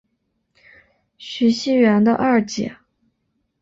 徐熙媛的二姐。